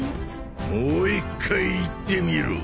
もう一回言ってみろ。